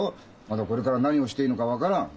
まだこれから何をしていいのか分からん。